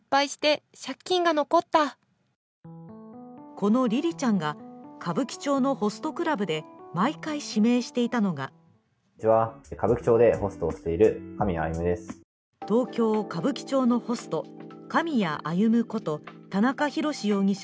このりりちゃんが歌舞伎町のホストクラブで毎回指名していたのが東京・歌舞伎町のホスト狼谷歩こと田中裕志容疑者